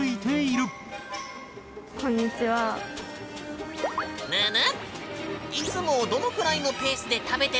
こんにちは！ぬぬ！